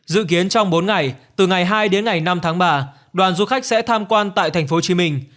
dự kiến trong bốn ngày từ ngày hai đến ngày năm tháng ba đoàn du khách sẽ tham quan tại thành phố hồ chí minh